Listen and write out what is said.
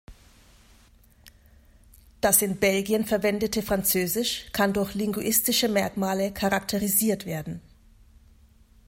Das in Belgien verwendete Französisch kann durch linguistische Merkmale charakterisiert werden.